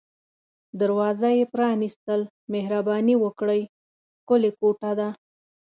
دروازه یې پرانیستل، مهرباني وکړئ، ښکلې کوټه ده.